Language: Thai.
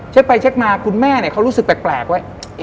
เช็คไปเช็คมาคุณแม่เนี่ยเขารู้สึกแปลกไว้